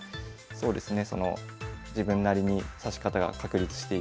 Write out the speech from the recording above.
そうですね。